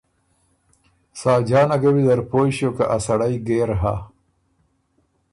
ساجانه ګه ویزر پویٛ ݭیوک که ا سړئ ګېر هۀ